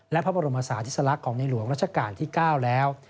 และพระบรมศาสติสลักษณ์ของในหลวงรัชกาลที่๙แล้ว